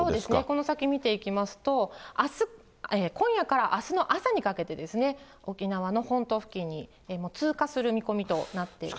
この先見ていきますと、今夜からあすの朝にかけてですね、沖縄の本島付近に通過する見込みとなっています。